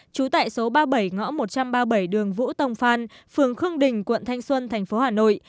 trú tại số ba mươi bảy ngõ một trăm ba mươi bảy đường vũ tông phan phường khương đình quận thanh xuân thành phố hà nội